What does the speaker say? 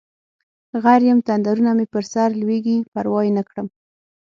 غر یم تندرونه مې په سرلویږي پروا یې نکړم